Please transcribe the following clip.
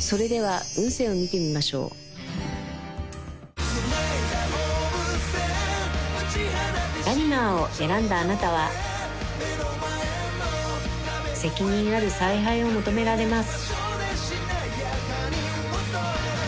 それでは運勢を見てみましょうラリマーを選んだあなたは責任ある采配を求められます